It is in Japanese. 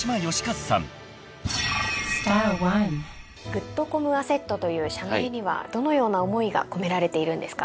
グッドコムアセットという社名にはどのような思いが込められているんですか？